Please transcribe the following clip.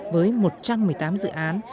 với một trăm một mươi tám dự án